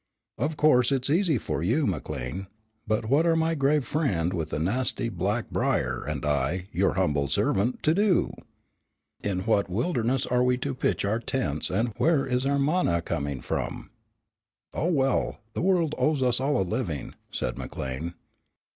Of course it's easy enough for you, McLean, but what are my grave friend with the nasty black briar, and I, your humble servant, to do? In what wilderness are we to pitch our tents and where is our manna coming from?" "Oh, well, the world owes us all a living," said McLean.